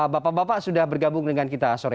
bapak bapak sudah bergabung dengan kita sore